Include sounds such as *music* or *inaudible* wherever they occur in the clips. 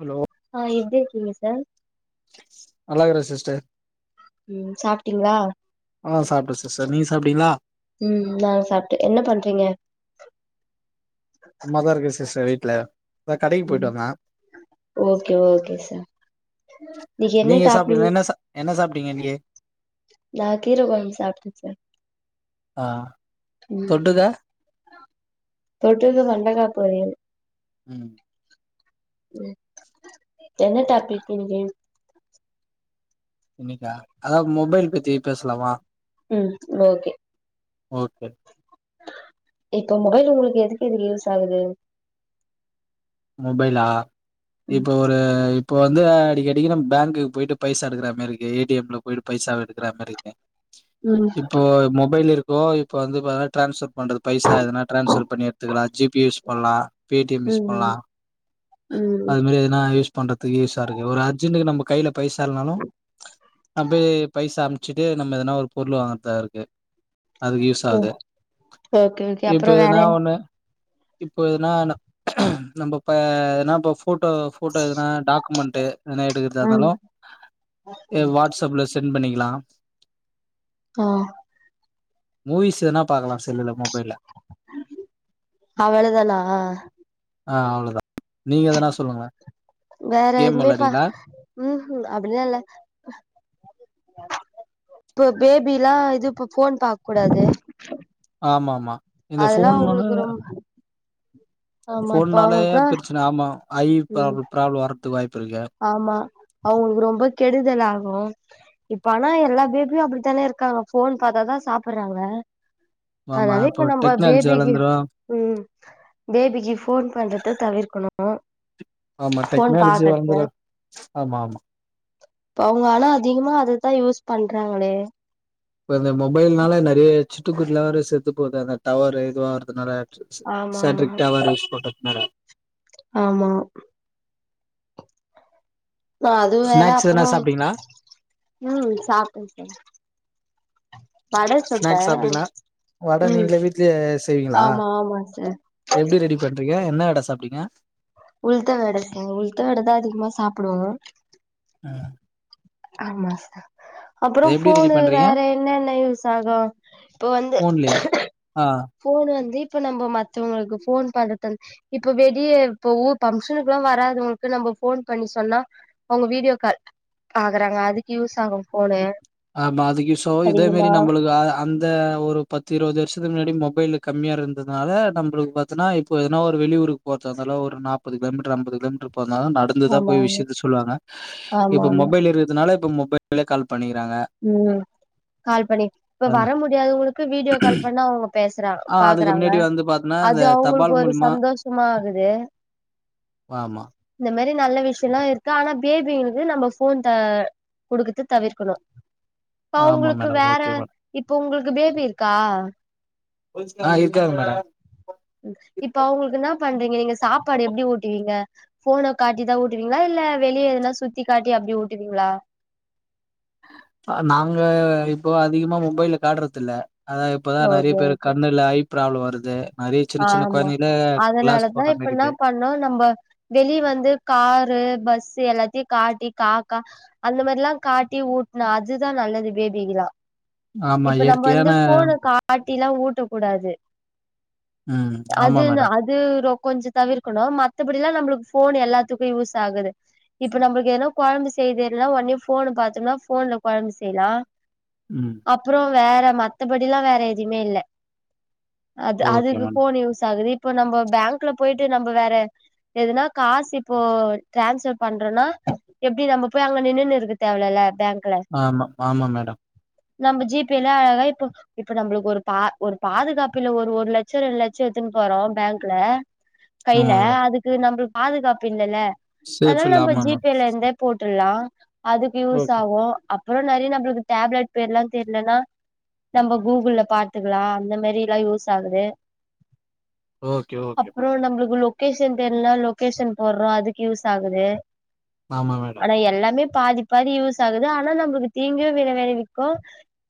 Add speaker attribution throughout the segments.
Speaker 1: Hello
Speaker 2: அ எப்டி இருக்கிங்க சார்
Speaker 1: நால்லாருக்குரே சிஸ்டர்
Speaker 2: ம் சாப்டீங்களா
Speaker 1: ஆ சாப்டே சிஸ்டர் நீங்க சாப்டிங்களா
Speaker 2: ம் நானு சாப்டே என்ன பண்றீங்க
Speaker 1: சும்மாதா இருக்கே சிஸ்டர் வீட்டுல இப்பதா கடைக்கி போயிட்டு
Speaker 2: ம்
Speaker 1: வந்தே
Speaker 2: ஓகே ஓகே சார் இன்னைக்கு என்ன டாப்பி
Speaker 1: நீங்க இன்னைக்கி
Speaker 2: நா கீர கொழம்பு சாப்டே சார்
Speaker 1: ஆஹ்
Speaker 2: உம் தொட்டுக்க வெண்டக்கா பொரியலு
Speaker 1: உம்
Speaker 2: உம் என்ன டாபிக் இன்னைக்கு
Speaker 1: இன்னைக்கா அதா மொபைல் பத்தி பேசலாமா
Speaker 2: உம் ஓகே
Speaker 1: ஓகே
Speaker 2: இப்போ மொபைல் உங்களுக்கு எதுக்கு எது யூஸ் ஆகுது
Speaker 1: மொபைலா
Speaker 2: ம்
Speaker 1: இப்ப ஒரு இப்போ வந்து அடிக்கடிக்கு நம் பேங்குக்கு போயிட்டு பைசா எடுக்கற மாரிக்கு ஏடிஎம்ல போயிட்டு பைசா எடுக்கற மாரிக்கு
Speaker 2: ம்
Speaker 1: இப்போ மொபைல் இருக்கோ இப்போ வந்து பா டிரான்ஸர் கொன்றது பைசா எதனா டிரான்ஸர் பண்ணி எடுத்துக்கலா ஜிபி யூஸ் பண்லா பேடிஎம்
Speaker 2: ம்
Speaker 1: லா
Speaker 2: ம் ம்
Speaker 1: அது மாரி எதன யூஸ் பண்றதுக்கு யூஸ் அஹ் இருக்கு ஒரு அர்ஜென்க்கு நம்ம கைல பைசா இல்லனாலு அப்பேய் பைசா அமிச்சுட்டு நம்ம எதனா ஒரு பொருள் வாங்கறதா இருக்கு அதுக்கு யூஸ் ஆகுது
Speaker 2: ஓகே ஓகே
Speaker 1: இப்ப
Speaker 2: அப்றோ வேற
Speaker 1: எதனா ஒண்ணு இப்போ எதனான நம்ப ப எதனா இப்ப ஃபோட்டோ ஃபோட்டோ எதுனா டாக்குமெண்ட் எதன எடுக்கறதா
Speaker 2: ம்
Speaker 1: இருந்தாலு வாட்ஸ்அப்ல செண்ட் பண்ணிக்கலா
Speaker 2: காஹ்
Speaker 1: மூவிஸ் எதனா பாக்கலா செல்லுல மொபைல்ல
Speaker 2: அவ்ளதானா
Speaker 1: ஆஹ் அவ்ளோதா நீங்க எதனா சொல்லுங்கள
Speaker 2: வேற எதுமேப்ப உஹும் அப்டிலா இல்ல இப்ப பேபிலா இது இப்ப ஃபோன் பாக் கூடாது
Speaker 1: ஆமா ஆமா இந்த
Speaker 2: அதெல்லா
Speaker 1: ஃபோன் வந்து
Speaker 2: உங்களுக்கு ரொம்ப ஆமா இப்ப
Speaker 1: ஃபோனாலே
Speaker 2: அவங்களுக்குல்லா
Speaker 1: பிரச்சுன ஆமா ஐ
Speaker 2: ம்
Speaker 1: ப்ராப் ப்ராப்ளம் வறதுக்கு வாய்ப்பு இருக்கு
Speaker 2: ஆமா அவுங்களுக்கு ரொம்ப கெடுதல் ஆகு இப்ப ஆனா எல்லா பேபியு அப்டிதானே இருக்காங்க ஃபோன் பாத்தாதா சாப்பட்றாங்க
Speaker 1: ஆமா
Speaker 2: அதனால இப்ப நம்ப
Speaker 1: டெக்னாலஜி
Speaker 2: பேபி க்கு
Speaker 1: வளந்துரு
Speaker 2: ம் பேபிக்கு ஃபோன் பண்றத தவிர்க்கணு
Speaker 1: ஆமா டெக்னாலஜி வள
Speaker 2: அவுங்க ஆனா அதிகமா அததா யூஸ் பண்றாங்களே
Speaker 1: இப்ப இந்த மொபைல்னால நெறைய சிட்டுகுருவி லா வேற செத்து போது அந்த டவர் இதுவாகறதுனால
Speaker 2: ஆமா ஆமா
Speaker 1: சாட்ரிக் டவர் யூஸ் பண்றத்னால
Speaker 2: ஆமா அது வேற
Speaker 1: ஸ்நாக்ஸ் எதனா
Speaker 2: அப்றோ
Speaker 1: சாப்ட்டீங்களா
Speaker 2: உம் சாப்பிட்ருக்க வட சுட்ட
Speaker 1: ஸ்நாக்ஸ் சாப்ட்டீங்களா வட நீங்ளே வீட்லயே செய்விங்களா
Speaker 2: ஆமா சார்
Speaker 1: எப்டி ரெடி பண்ற ங்க என்ன அட சாப்டிங்க
Speaker 2: உள்த வட செஞ்சே உள்த வட தா அதிகமா சாப்டுவோ
Speaker 1: உம்
Speaker 2: ஆமா *unintelligible* அப்பறோ
Speaker 1: எப்டி ரெடி
Speaker 2: ஃபோனு
Speaker 1: பண்றீங்க
Speaker 2: வேற என்னென்ன யூஸ் ஆகு இப்போ வந்து
Speaker 1: ஃபோன்லயா ஆ
Speaker 2: ஃபோன் வந்து இப்ப நம்ப மத்தவங்களுக்கு ஃபோன் பண்றது இப்ப வெடிய இப்ப ஊர் பம்ஷனுக்குல்லா வரா அது உங்களுக்கு நம்ம ஃபோன் பண்ணி சொன்னா அவுங்க வீடியோ கால் ஆகறாங்க அதுக்கு யூஸ் ஆகு ஃபோனு
Speaker 1: ஆமா அதுக்கு யூஸ் ஆவு இதே மாரி
Speaker 2: அதிகமா
Speaker 1: நம்பளுக்கு அந்த ஒரு பத்து இருபது வருஷ இதுக்கு முன்னாடி மொபைல் கம்மியா இருந்ததுனால நம்பளுக்கு பாத்தன்னா இப்ப எதுனா ஒரு வெளி ஊருக்கு போறதா இருந்தாலு ஒரு நாப்பது கிலோ மீட்டரு ஐம்பது கிலோமீட்டரு *unintelligible* நடந்துதா
Speaker 2: ஆமா
Speaker 1: போய்
Speaker 2: ஆமா
Speaker 1: விஷ்யத்த சொல்வாங்க
Speaker 2: ஆமா
Speaker 1: இப்ப
Speaker 2: ஆமா
Speaker 1: மொபைல் இருக்துனால இப்ப மொபைல கால் பண்ணி
Speaker 2: ம் கால் பண்ணி இப்ப
Speaker 1: அதுனா
Speaker 2: வர முடியாதவங்களுக்கு வீடியோ கால் பண்ணா அவுங்க பேச சுற
Speaker 1: ஆ அதுக்கு
Speaker 2: பாக்குறாங்க
Speaker 1: முன்னாடி வந்து பாத்தன்னா இந்த
Speaker 2: அது அவுங்களுக்கு
Speaker 1: தபால்
Speaker 2: ஒரு
Speaker 1: மூலியமா
Speaker 2: சந்தோஷமா ஆகுது
Speaker 1: ஆமா
Speaker 2: ந்த மேரி நல்ல விஷ்யோல்லா இருக்கு ஆனா பேபிங்களுக்கு நம்ம ஃபோன் த குடுக்கத்து தவிர்க்கணு இப்ப
Speaker 1: ஆமா
Speaker 2: அவுங்களுக்கு
Speaker 1: மேடம்
Speaker 2: வேற
Speaker 1: ஓகே மேடம்
Speaker 2: இப்ப உங்களுக்கு பேபி இருக்கா
Speaker 1: ஆ இருக்காங்க மேடம்
Speaker 2: இப்ப அவுங்களுக்கு என்ன பண்றீங்க நீங்க சாப்பாடு எப்டி ஊட்டுவீங்க ஃபோன காட்டிதா ஊட்டுவீங்களா இல்ல வெளிய எதுனா சுத்தி காட்டி அப்டி ஊட்டுவீங்களா
Speaker 1: நாங்க இப்போ அதிகமா மொபைல காட்றதுதில்ல அதா இப்பதா நெறைய
Speaker 2: ஓகே
Speaker 1: பேரு
Speaker 2: ஓகே
Speaker 1: கண்ணுல ஐ ப்ராப்ள வருது நெறைய சின்ன சின்ன
Speaker 2: ஆமா
Speaker 1: கொழந்தையில கிளாஸ்
Speaker 2: அதனாலதா
Speaker 1: போட்ற
Speaker 2: இப்ப
Speaker 1: மெரி
Speaker 2: என்ன
Speaker 1: இருக்கு
Speaker 2: பண்ணோ நம்ம வெளி வந்து காரு பஸ்ஸு எல்லாத் தி காட்டி காக்கா அந்த மெரில்லா காட்டி ஊட்டினா அதுதா நல்லது பேபிக்கில்லா
Speaker 1: ஆமா
Speaker 2: இப்ப நம்ம
Speaker 1: இயற்கையான
Speaker 2: வந்து ஃபோன காட்டில்லா ஊட்டக்கூடாது
Speaker 1: ம் ஆமா
Speaker 2: அதுன்னா
Speaker 1: மேடம்
Speaker 2: அது ரொ கொஞ்ச தவிர்க்கணு மத்தபடில்லா நம்மளுக்கு ஃபோன் எல்லாத்துக்கு யூஸ் ஆகுது இப்ப நம்பளுக்கு ஏதுனா கொழம்பு செய்ய தெர்லனா ஒடனே ஃபோன்ன பாத்தோம்னா ஃபோன்ல கொழம்பு செய்யலா
Speaker 1: ம்
Speaker 2: அப்றோ வேற மத்தபடில்லா வேற எதுமே இல்ல அது
Speaker 1: ஓகே
Speaker 2: அதுக்கு
Speaker 1: மேடம்
Speaker 2: ஃபோன் யூஸ் ஆகுது இப்ப நம்ம பேங்க்ல போயிட்டு நம்ம வேற ஏதுனா காசு இப்போ ட்ரான்ஸ்பர் பண்றேனா எப்டி நம்ம போய் அங்க நின்னுன்னு இருக்க தேவ இல்லல
Speaker 1: ஆமா ஆமா மேடம்
Speaker 2: நம்ம ஜிபேல அழகா இப்ப இப்ப நம்பளுக்கு ஒரு பா ஒரு பாதுகாப் *inaudible* ஒரு ஒரு லட்ச ரெண்டு லட்ச எடுத்துன்னு போறோ பேங்க்ல
Speaker 1: ஆமா
Speaker 2: கையில
Speaker 1: மேடம்
Speaker 2: அதுக்கு நம்பளு பாதுகாப்பு இல்லல்ல
Speaker 1: சேஃப்
Speaker 2: அதனால
Speaker 1: இல்ல
Speaker 2: நம்ப
Speaker 1: ஆமா மேம்
Speaker 2: ஜிபேல இருந்தே போட்டு ட்ருல்லா அதுக்கு யூஸ்
Speaker 1: ஓகே
Speaker 2: ஆகு அப் அப்றோ நெறைய நம்பளுக்கு டேப்லெட் பேர்ல்லா தெர்லனா நம்ம கூகுள்ல பாத்துக்கலா அந்த மெரி *inaudible* யூஸ் ஆகுது
Speaker 1: ஓகே ஓகே
Speaker 2: அப்றோ
Speaker 1: மேடம்
Speaker 2: நம்பளுக்கு லொக் கேஷன் தெர்லனா லொகேஷன் போடுறோ அதுக்கு யூஸ் ஆகுது
Speaker 1: ஆமா மேடம்
Speaker 2: ஆனா எல்லாமே பாதி பாதி யூஸ் ஆகுது ஆனா நம்பளுக்கு தீங்கு விள வேளவிக்கு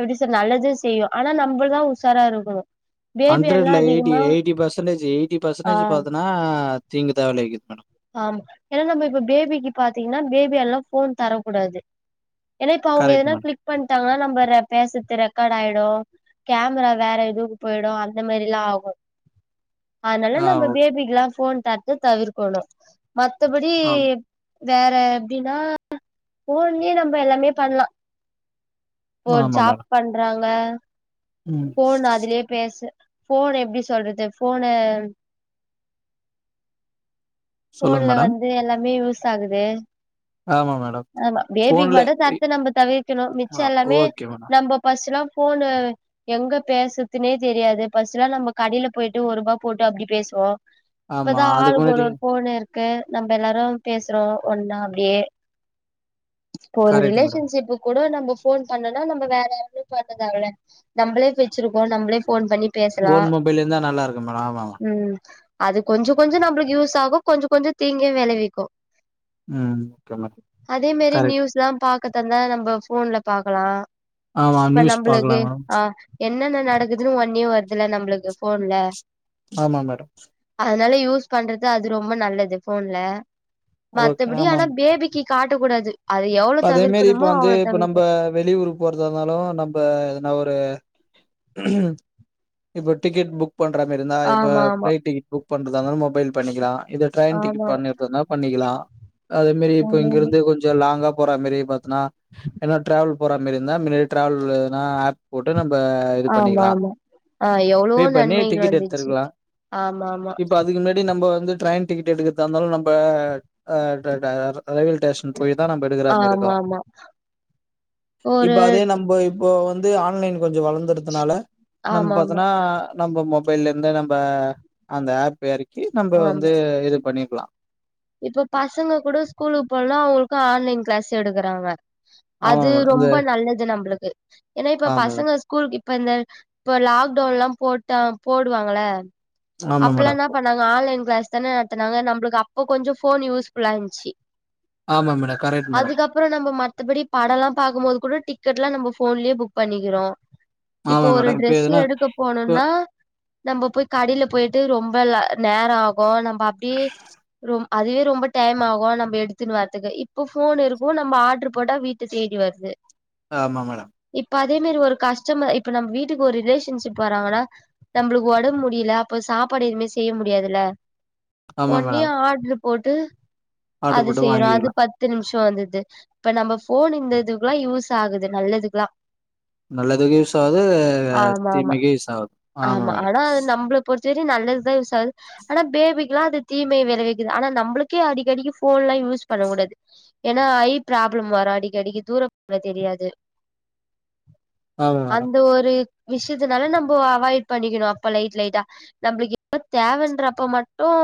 Speaker 2: எப்டி சொல்றது நல்லது செய்யு ஆனா நம்மதா உஷாரா இருக்கனு
Speaker 1: ஹண்ட்ரட்ல எயிட்டி எயிட்டி பர்சன்டேஜ் எயிட்டி
Speaker 2: ஆ
Speaker 1: பர்சன்டேஜ் பாத்தன்னா தீங்கு தா விளைவிக்கு
Speaker 2: ஆம் ஏன்னா நம்ம இப்ப பேபிக்கு பாத்தீங்கன்னா பேபி எல்லா ஃபோன் தரக்கூடாது ஏன்னா இப்ப அவுங்க
Speaker 1: கரெக்ட்
Speaker 2: எதனா
Speaker 1: மேடம்.
Speaker 2: கிளிக் பண்ணிட்டாங்கன்னா நம்பர பேசுறது ரெக்கார்ட் ஆயிடும் கேமரா வேற எதுக்கு போயிடு அந்த மெரிலா ஆகு அதனால
Speaker 1: ஆ
Speaker 2: நம்ப
Speaker 1: ஓ
Speaker 2: பேபிக்குல்லா ஃபோன் தர்து தவிர்க்கணு மத்தபடி
Speaker 1: ஆம்.
Speaker 2: வேற எப்டின்னா ஃபோன்லையே நம்ம எல்லாமே பண்ணலா இப்ப
Speaker 1: ஆமா
Speaker 2: ஜாப்
Speaker 1: மேடம்.
Speaker 2: பண்றாங்க
Speaker 1: ம்.
Speaker 2: ஃபோன் அதுலயே பேசு ஃபோன் எப்டி சொல்றது ஃபோன்ன
Speaker 1: சொல்லுங்க
Speaker 2: ஃபோன்ல
Speaker 1: மேடம்.
Speaker 2: வந்து எல்லாமே யூஸ் ஆகுது
Speaker 1: ஆமா மேடம்
Speaker 2: ஆமா பேபிக்கு
Speaker 1: ஃபோன்ல
Speaker 2: மட்டும்
Speaker 1: இ
Speaker 2: தர்ரத நம்ப தவிர்க்கணு மிச்சோ
Speaker 1: ஆ
Speaker 2: எல்லாமே
Speaker 1: ஓகே மேடம்.
Speaker 2: நம்ப பர்ஸ்ட்லா ஃபோன எங்க பேசுதுனே தெரியாது பர்ஸ்ட்லா நம்ம கடையில போயிட்டு ஒருபா போட்டு அப்டி பேசுவோ
Speaker 1: ஆமா.
Speaker 2: இப்பதா
Speaker 1: அதுக்கு
Speaker 2: ஆளுக்கு ஒரு
Speaker 1: முன்னாடி
Speaker 2: ஒரு ஃபோனே இரு க்கு நம்ம எல்லாரு பேசுறோ ஒன்னா அப்டியே இப்போ ஒரு
Speaker 1: கரெக்ட் மேடம்.
Speaker 2: ரிலேஷன்ஷிப்க் குட நம்ப ஃபோன் பண்ணனா நம்ம வேற யாருக்குமே பண்ண தேவயில்ல நம்பளே வச்சிருக்கோ நம்பளே ஃபோன் பண்ணி பேசலா
Speaker 1: ஓன் மொபைல் இருந்தா நல்லாருக்கும் மேடம். ஆமா மேடம்.
Speaker 2: ம் அது கொஞ்சோ கொஞ்சோ நம்பளுக்கு யூஸ் ஆகு கொஞ்சோ கொஞ்சோ தீங்க வேளவிக்கு
Speaker 1: உம் ஓகே மேட
Speaker 2: அதே மெரி நியூஸ்லா பாக்கதந்தா நம்ப ஃபோன்ல பாக்கலாம்
Speaker 1: ஆமா
Speaker 2: ப
Speaker 1: நியூஸ்
Speaker 2: நம்பளுக்கு
Speaker 1: பாக்கலாம் மேடம்.
Speaker 2: ஆ என்னன்ன நடக்குதுன்னு ஒடனே வருதுல நம்பளுக்கு ஃபோன்ல
Speaker 1: ஆமா மேடம்
Speaker 2: அதனால யூஸ் பண்றது அது ரொம்ப நல்லது ஃபோன்ல
Speaker 1: ஓகே.
Speaker 2: மத்தபடி
Speaker 1: ஆமா.
Speaker 2: ஆனா பேபிக்கி காட்டக் கூடாது அது எவ்ளோ
Speaker 1: அதே மாரி இப்ப
Speaker 2: தவிர்க்கணுமோ
Speaker 1: வந்து
Speaker 2: அவ்ளோ
Speaker 1: இப்ப நம்ப
Speaker 2: தவிர்க்கணு
Speaker 1: வெளியூருக்கு போறதாந்தாலு நம்ப என்ன ஒரு இப்ப டிக்கெட் புக் பண்றமரி இருா இப்ப
Speaker 2: ஆமா ஆமா
Speaker 1: பிளைட் க்கெட் புக் பண்றாந்தும் மொபைல் பண்ணிக்கலாம் இது ட்ரெயின் டிக்கட்
Speaker 2: ஆமா
Speaker 1: பண்றாந்த பண்ணிக்கலாம் லா அதே மாரி இப்ப
Speaker 2: ஆமாமா
Speaker 1: இங்கிருந்து கொஞ்சோ லாங்கா போற மாரி பாத் தனா என்ன டிராவல் போற மாரி இருந்தா முன்னாடி டிரவல் ஆப் போட்டு நம் ப இது
Speaker 2: ஆமா ஆமா
Speaker 1: பண்ணிக்கலாம்
Speaker 2: ஆமா ஆ எவ்ளோ
Speaker 1: பே பண்ணி
Speaker 2: நன்மைகள்
Speaker 1: டிக்கெட்
Speaker 2: வந்துச்சு
Speaker 1: எடுத்திருக்கலாம்
Speaker 2: ஆமா ஆமா
Speaker 1: இப்ப அதுக்கு முன்னாடி நம்ப வந்து ட்ரெயின் டிக்கெட் எடுக்ருதுந்தாலும் நம்ப ஆ *unintelligible* ரயில்வே டேஷன் போயி தா நம்ப எடுக்ற மாரி இருக்கு
Speaker 2: ஆமா ஆமா ஒரு
Speaker 1: இப்ப அதே நம்ப போ வந்து ஆன்லைன் கொஞ்சோ வளர்ந்துறதுனால நம்ம
Speaker 2: ஆமா ஆமா
Speaker 1: பாத்தனா நம்ப மொபைல்லந்து நம்ப அந்த ஆப்பு எறக்கி நம்ப வந்து
Speaker 2: ஆமா
Speaker 1: இது பண்ணிக்கலாம்
Speaker 2: இப்ப பசங்க கூட ஸ்கூலுக்கு போலனா அவங்கக்கும் ஆன்லைன் கிளாஸ் எடுக்கறாங்க
Speaker 1: ஆமா
Speaker 2: அது
Speaker 1: மேடம் இந்த
Speaker 2: ரொம்ப நல்லது நம்பளுக்கு ஏனா இப்ப
Speaker 1: ஆமா
Speaker 2: பசங்க ஸ்கூல்கு இப்ப இந்த இப்ப லாக்டவுன் எல்லாம் போட்டா போடுவாங்கள
Speaker 1: ஆமா
Speaker 2: அப்பல்லாம்
Speaker 1: மேடம்
Speaker 2: என்ன பண்ணாங்க ஆன்லைன் கிளாஸ் தானே நடத்துனாங்க நம்மளுக்கு இப்ப கொஞ்சோ ஃபோன் யூஸ்ஃபுல்லான்ச்சு
Speaker 1: ஆமா மேடம் கரெக்ட் மேடம்
Speaker 2: அதுக்கப்ரோ நம்ம மத்தபடி படல்லா பார்க்கும்போது கூட டிக்கெட் எல்லா நம்ம ஃபோ ஃபோன்லயே புக் பண்ணிக்கிறோம் இப்போ
Speaker 1: ஆமா
Speaker 2: ஒரு
Speaker 1: மேடம் இப்ப
Speaker 2: டிரஸ்ஸு
Speaker 1: எதுனா
Speaker 2: எடுக்க
Speaker 1: இப்ப
Speaker 2: போனுன்னா நம்ப போய் கடைல போயிட் டு ரொம்ப ல நேரோ ஆகும் நம்ப அப்படியே ரொ அதுவே ரொம்ப டைம் ஆகு நம்ம எடுத்துன்னு வாரத்துக்கு இப்போ ஃபோன் இருக்கவும் நம்ம ஆர்டர் போட்டா வீட்ட தெ தேடி வருது
Speaker 1: ஆமா மேடம்
Speaker 2: இப்ப அதே மாரி ஒரு கஸ்டமர் இப்ப நம்ம வீட்டுக்கு ஒரு ரிலேஷன்ஷிப் வராங்கன்னா நம்பளுக்கு உடம்பு முடில அப்ப சாப் பாடு எதுமே செய்ய முடியாதுல்ல
Speaker 1: ஆமா மேடம்
Speaker 2: டுல போட்டு
Speaker 1: ஆர்டர்
Speaker 2: அது
Speaker 1: போட்டு
Speaker 2: செய்யறோ அது
Speaker 1: வாங்கிக்கலா
Speaker 2: பத்து நிம்ஷ து வந்தது இப்ப நம்ம ஃபோன் இந்ததுக்கேல்லா யூஸ் ஆகுது நல்லதுக்கெல்லா
Speaker 1: நல்லதுக்கு யூஸ் ஆகுது
Speaker 2: ஆமா ஆமா
Speaker 1: தீமைக்கு யூஸ் ஆது ஆமா மேடம்
Speaker 2: செரி நல்லதுதா யூஸ் ஆகுது ஆனா பேபிக்கெலா அது தீமை விளைவிக்குது ஆனா நம்மளுக்கே அடிக்கடிக்கு ஃபோன்லா யூஸ் பண்ண கூடாது ஏனா ஐ ப்ராப்ளம் வரு அடிக்க அடிக்கு தூரப் வ தெரியாது
Speaker 1: ஆமா மேடம்
Speaker 2: அந்த ஒரு விஷத்துனால நம்ம அவாய்ட் பண்ணிக்கணும் அப்ப லைட் லைட்டா நம்மளுக்கு எப்போ தேவன்றப்ப மட்டு ஓ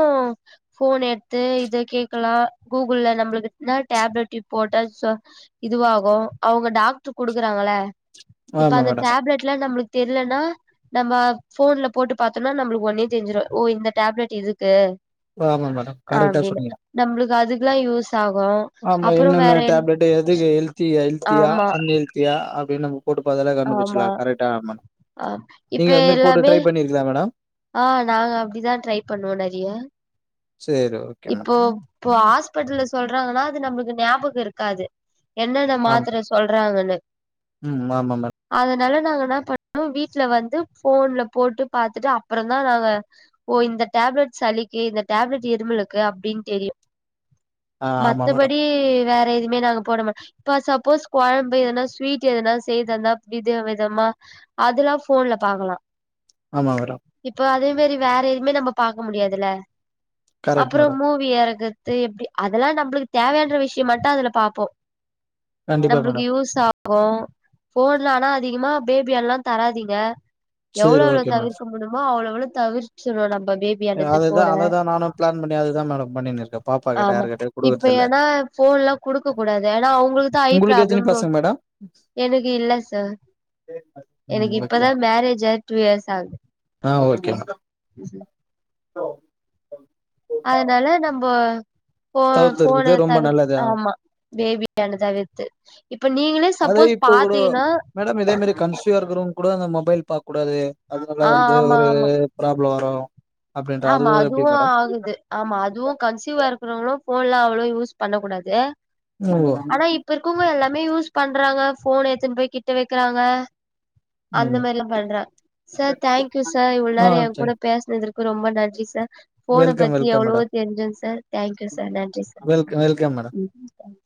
Speaker 2: ஃபோன் எடுத்து இத கேக்கலாம் கூகுள் நம்மளுக்குன டேப்லெட் போட்டா இதுவாகும் அவங்க டாக்டர் குடுக்குறாங்கள இப்ப
Speaker 1: ஆமா
Speaker 2: அந்த
Speaker 1: மேடம்
Speaker 2: டேப்லெட்லா நம்மளுக் தெர்லனா நம்ம ஃபோன்ல போட்டு பாத்தோனா நம்பளுக்கு ஒடனே தெரிஞ்சிரும் ஓ இந்த டேப்லெட் இதுக்கு
Speaker 1: ஆமா மேடம் கரெக்டா
Speaker 2: அப்படின்னு
Speaker 1: சொன்னீங்க
Speaker 2: நம்புளுக்கு அதுக்கெல்லா யூஸ் ஆகு
Speaker 1: ஆமா
Speaker 2: அப்புறோ
Speaker 1: என்னன்ன
Speaker 2: வேற என்
Speaker 1: டாப்லட் எதுக்கு எல்த்தியா எல்த்தியா
Speaker 2: ஆமா
Speaker 1: அன் எல்த்தியா அப்டினு நம்ம போட்டு பாத்தாலே கண்டு
Speaker 2: ஆமா
Speaker 1: புடுச்சலா கரெக்டா ஆமானு
Speaker 2: ஆ இப்ப
Speaker 1: நீங்க அதுமாரி போட்டு
Speaker 2: எல்லாமே
Speaker 1: ட்ரை பண்ணிருகிங்கலா மேடம்
Speaker 2: ஆ நாங்க அப்படிதா ட்ரை பண்ணுவோ நறைய
Speaker 1: சேரி ஓகே
Speaker 2: இப்போ
Speaker 1: மேடம்
Speaker 2: போ ஹாஸ்பிட்டல்ல சொல்றாங்கன்னா அது நம்மளுக்கு ஞாபகோ இருக்காது என்னனெ
Speaker 1: ஆமா
Speaker 2: மாத்துர சொல்றாங்கன்னு
Speaker 1: ம் ஆமாமா
Speaker 2: னாங்கனா *unintelligible* வீட்ல வந்து போன்ல போட்டு பாத்துட்டு அப்புறம் தான் நாங்க ஓ இந்த டேப் ப்லெட் சளிக்கு இந்த டேப்லெட் இருமலு க்கு அப்டின்னு தெரியு
Speaker 1: ஆ ஆமா மேடம்
Speaker 2: மத்தபடி வேற எதுமே நாங்க போட மா இப்ப சப்போஸ் கொழம்பு எதனா ஸ்வீட் எதனா செய்தந்தா வித விதமா அதெல்லா போன்ல பாக்கலாம்
Speaker 1: ஆமா மேடம்
Speaker 2: மேறி வேற எதுமே நம்ப பாக்க முடியாதுல
Speaker 1: கரெக்ட்
Speaker 2: அப்புறம்
Speaker 1: மேடம்
Speaker 2: மூவி எறக் து எப்டி அதெல்லா நம்புளுக் தேவையான விஷ்யம் மட்டு அதுல பாப்போம்
Speaker 1: கண்டிப்பா
Speaker 2: நம்ளுக்கு
Speaker 1: மேடம்
Speaker 2: யூஸ் ஆ கும் போன்ல ஆனா அதிகமா பேபியாண்ட்லா தராதிங்க எவ்ளோ
Speaker 1: சேரி
Speaker 2: எவ்ளோ
Speaker 1: ஓகே மேடம்
Speaker 2: தவிர்க்க முடிமோ அவ்ளோ அவ்ளோ தவிர்ச்சுணும் நம் ம பேபியாண்டருந்து
Speaker 1: அதுதா
Speaker 2: போன
Speaker 1: அததா நானு பிளான் பண்ணி அதுதா மேடம் பண்ணினு இருக்கே பாப்பா கிட்ட
Speaker 2: ஆமா
Speaker 1: யாருகிட்டயு
Speaker 2: இப்ப
Speaker 1: குடுக்கறதில்ல
Speaker 2: ஏனா போன்ல்லா குடுக்க கூடாது ஏனா அவங்ளுக்கு தா
Speaker 1: உங்ளுக்கு எத்தினி பசங்க மேடம்
Speaker 2: எனக்கு இல்ல சார்
Speaker 1: ம்
Speaker 2: எனக்கு
Speaker 1: ஓகே
Speaker 2: இப்பதா மேரேஜ் ஆயி ட்உ இயர்ஸ் ஆகுது
Speaker 1: ஒ சரி
Speaker 2: போ
Speaker 1: தவிர்த்து
Speaker 2: போன
Speaker 1: இருக்குது ரொம்ப
Speaker 2: தவிர்
Speaker 1: நல்லது
Speaker 2: ஆமா பேபியாண்ட தவிர்த்து இப்ப நீங்களே
Speaker 1: அதே
Speaker 2: சப்போஸ்
Speaker 1: இப்போ கூட
Speaker 2: பாத்திங்கனா
Speaker 1: மேடம் இதே மாரி கன்சிவா இருக்கிறவங்க கூட அந்த மொபைல் பாக்க கூடாது அதனால வந்து
Speaker 2: ஆமா
Speaker 1: ஒரு
Speaker 2: ஆமா
Speaker 1: ப்ராப்ளம் வரும்
Speaker 2: ஆமா அதுவு ஆகுது ஆமா அதுவு கன்சீவா இருக்கிறவங்கள போன்லா அவ்ளோ யூஸ் பண்ண கூடாது
Speaker 1: ம்
Speaker 2: ஆனா இப்ப இருக்குங்க எல்லாம் மே யூஸ் பண்றாங்க போன் எத்துன்னு போய் கிட்ட வெக்றாங்க அந்த
Speaker 1: ம்
Speaker 2: மாரி எல்லாம் பண்ற சேர் தேங்க் யூ சேர் இவ்ளோ
Speaker 1: ஆ
Speaker 2: நேரோ என் கூட
Speaker 1: சரி
Speaker 2: பேசினதுக் ரொம்ப நன்றி சேர் போன
Speaker 1: வெல்கம்
Speaker 2: பத்தி
Speaker 1: வெல்கம்
Speaker 2: எவ்ளோ
Speaker 1: மேடம்
Speaker 2: தெரிஞ்சும் சேர் தேங்க்யூ சேர் நன்றி சேர்
Speaker 1: வெல்கம் வெல்கம் மேடம்
Speaker 2: *unintelligible*